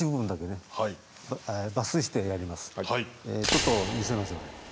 ちょっと見せますので。